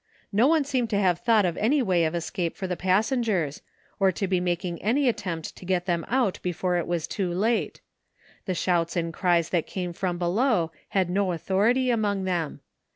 No one seemed to have thought of any way of escape for the passengers, or to be making any attempt to get them out before it was too late. The shouts and cries that came from below had no authority among them.